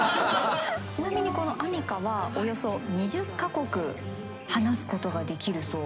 ちなみにこのアミカはおよそ２０か国話すことができるそうで。